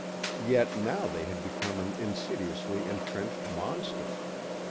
Yet now they had become an insidiously entrenched monster.